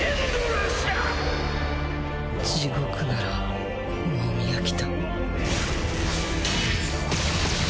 地獄ならもう見飽きた。